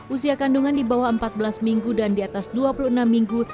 usia kandungan di bawah empat belas minggu dan di atas dua puluh enam minggu